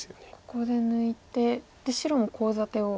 ここで抜いてで白もコウ立てを。